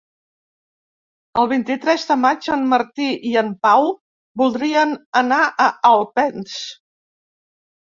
El vint-i-tres de maig en Martí i en Pau voldrien anar a Alpens.